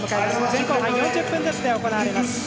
前後半４０分ずつで行われます。